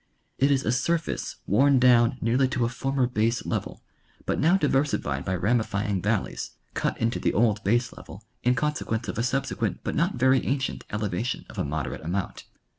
It is a surface worn down nearly to a former base level but now diversified by ramifying valleys, cut into the old base level in consequence of a subsequent but not very ancient elevation of a moderate amount.